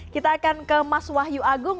kita akan ke mas wahyu agung